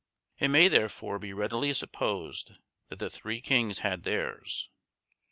It may, therefore, be readily supposed that the Three Kings had theirs.